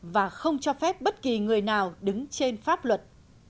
và không cho phép bất kỳ người nào đứng trên pháp luật